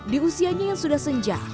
di usianya yang sudah senja